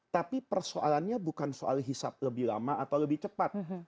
tapi persoalannya bukan soal hisap lebih lama atau lebih cepat